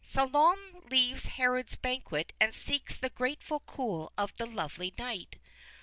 Salome leaves Herod's banquet and seeks the grateful cool of the lovely night.